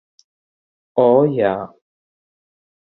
O, jā.